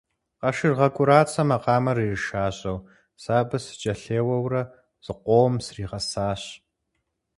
Къашыргъэ КӀурацэ макъамэр иришажьэу, сэ абы сыкӀэлъеуэурэ зыкъомым сригъэсащ.